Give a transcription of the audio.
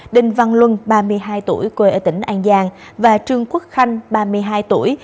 đinh văn luân ba mươi hai tuổi quê ở tỉnh an giang và trương quốc khanh ba mươi hai tuổi